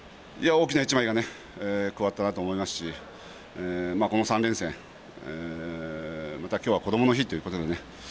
大きな１枚が加わったなと思いますしこの３連戦、またきょうはこどもの日ということでね